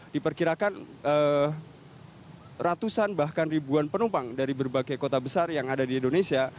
diperkirakan ratusan bahkan ribuan penumpang dari berbagai kota besar yang ada di indonesia